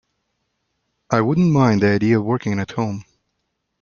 I wouldn't mind the idea of working at home.